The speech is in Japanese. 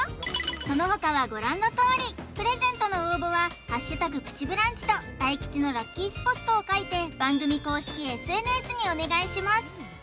その他はご覧のとおりプレゼントの応募は「＃プチブランチ」と大吉のラッキースポットを書いて番組公式ＳＮＳにお願いします